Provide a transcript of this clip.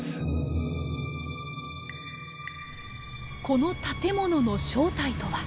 この建物の正体とは。